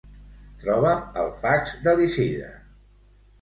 Troba'm el fax de l'Isidre.